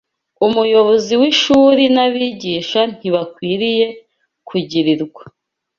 Umuyobozi w’ishuri n’abigisha ntibakwiriye kugirirwa